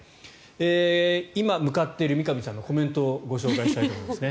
今、向かっている三上さんのコメントをご紹介したいと思います。